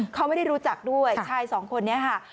เขาไม่ได้รู้จักด้วยชายสองคนนี้ค่ะ